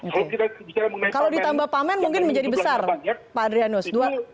kalau ditambah pamen mungkin menjadi besar pak adrianus